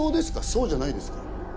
そうじゃないですか？